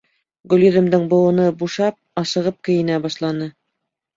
Гөлйөҙөмдөң быуыны бушап, ашығып кейенә башланы.